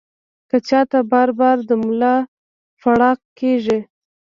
کۀ چاته بار بار د ملا پړق کيږي